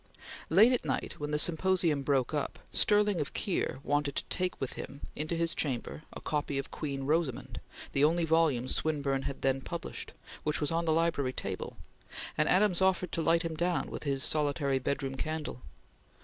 Late at night when the symposium broke up, Stirling of Keir wanted to take with him to his chamber a copy of "Queen Rosamund," the only volume Swinburne had then published, which was on the library table, and Adams offered to light him down with his solitary bedroom candle.